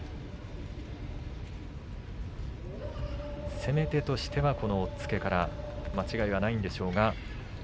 攻め手としてはこの押っつけから間違いはないんでしょうが。